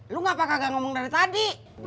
lu ngapakah gak ngomong dari tadi